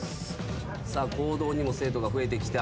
さあ講堂にも生徒が増えてきた。